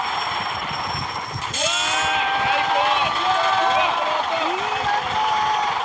うわー！最高！